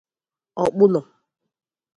Okpuno'